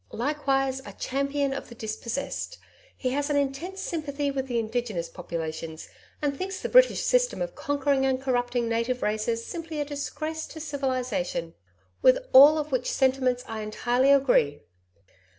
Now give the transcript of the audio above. Likewise a Champion of the Dispossessed. He has an intense sympathy with the indigenous populations, and thinks the British system of conquering and corrupting native races simply a disgrace to civilisation. With all of which sentiments I entirely agree.